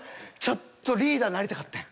ちょっとリーダーになりたかってん。